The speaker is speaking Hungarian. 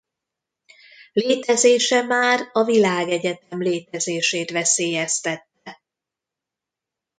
Létezése már a világegyetem létezését veszélyeztette.